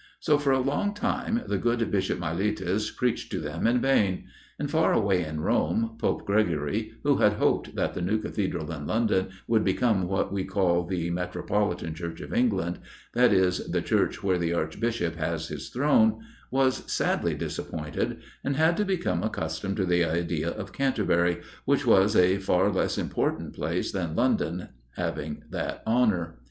So for a long time the good Bishop Milletus preached to them in vain; and far away in Rome, Pope Gregory, who had hoped that the new Cathedral in London would become what we call the 'Metropolitan Church' of England that is, the church where the Archbishop has his throne was sadly disappointed, and had to become accustomed to the idea of Canterbury, which was a far less important place than London, having that honour.